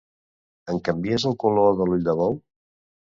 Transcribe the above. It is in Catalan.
Em canvies el color de l'ull de bou?